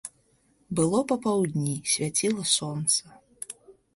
Было папаўдні, свяціла сонца.